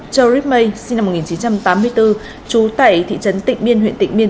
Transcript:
joe ripmay sinh năm một nghìn chín trăm tám mươi bốn chú tại thị trấn tịnh biên huyện tịnh biên